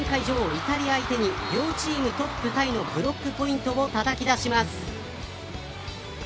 イタリア相手に両チームトップタイのブロックポイントをたたき出します。